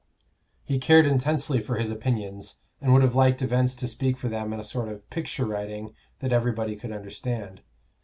He cared intensely for his opinions, and would have liked events to speak for them in a sort of picture writing that everybody could understand.